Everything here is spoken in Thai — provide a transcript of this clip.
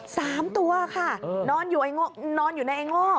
สามตัวค่ะนอนอยู่ในไอ้โง่